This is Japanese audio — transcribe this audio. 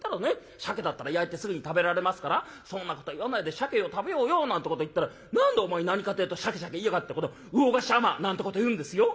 シャケだったら焼いてすぐに食べられますから『そんなこと言わないでシャケを食べようよ』なんてこと言ったら『何だお前何かってえとシャケシャケ言いやがってこの魚河岸海女！』なんてこと言うんですよ」。